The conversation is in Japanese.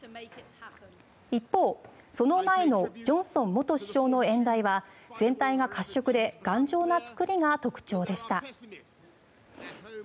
一方、その前のジョンソン元首相の演台は全体が褐色で頑丈な作りが特徴でした。